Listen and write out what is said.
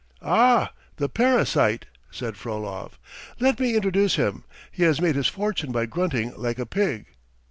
"Ah, the parasite!" said Frolov, "let me introduce him, he has made his fortune by grunting like a pig.